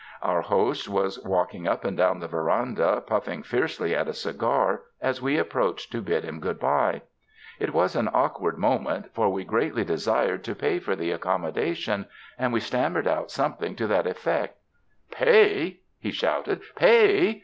Our host was walking up and down the veranda puffing fiercely at a cigar, as we approached to bid him good bye. It was an awkward moment, for we 124 SPRING DAYS IN A CARRIAGE greatly desired to pay for the accommodation, and we stammered out something to that effect. "Pay!" he shouted; '^pay?